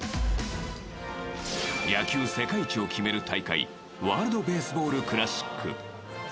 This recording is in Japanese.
野球世界一を決める大会ワールド・ベースボール・クラシック。